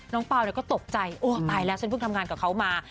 เปล่าก็ตกใจโอ้ตายแล้วฉันเพิ่งทำงานกับเขามา